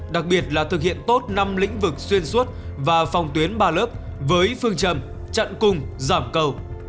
đặc biệt là thực hiện tốt năm lĩnh vực xuyên suốt và phòng tuyến ba lớp với phương trầm chặn cùng giảm cầu